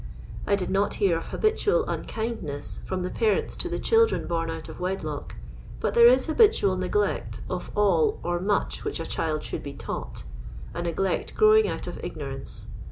I did not hear of habitual unkindnesa from the parents to the children bom out of wedlock, but there is habitual neglect of all or much which a child should be taught — a neglect growing out of ignorance.